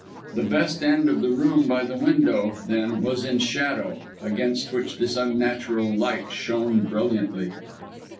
The best end of the room by the window, then, was in shadow, against which this unnatural light shone brilliantly.